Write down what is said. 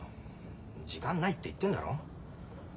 時間ないって言ってんだろ。